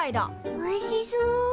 おいしそう。